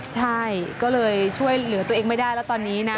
ใช่ก็เลยช่วยเหลือตัวเองไม่ได้แล้วตอนนี้นะ